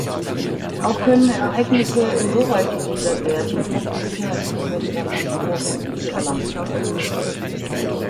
Auch können Ereignisse insoweit gegliedert werden, ob die Sicherheitsbehörden davon Vorkenntnisse erlangt haben.